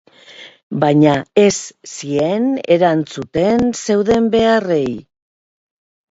Baina ez zien erantzuten zeuden beharrei.